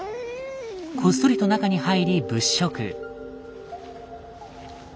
こっそりと中に入り物色。